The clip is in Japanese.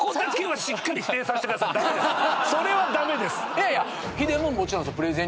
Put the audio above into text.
いやいや。